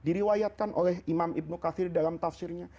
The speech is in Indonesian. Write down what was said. diriwayatkan oleh imam ibnu kafir dalam tafsirnya